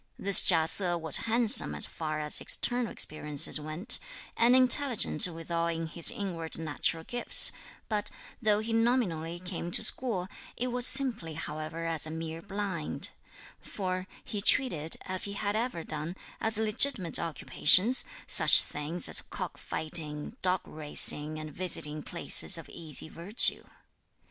This Chia Se was handsome as far as external appearances went, and intelligent withal in his inward natural gifts, but, though he nominally came to school, it was simply however as a mere blind; for he treated, as he had ever done, as legitimate occupations, such things as cock fighting, dog racing and visiting places of easy virtue.